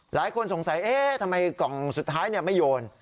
หลายคนสงสัยเอ๊ะทำไมกล่องสุดท้ายไม่โยน